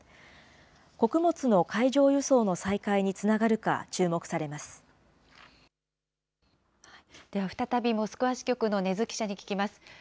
穀物の海上輸送の再開につながるでは再びモスクワ支局の禰津記者に聞きます。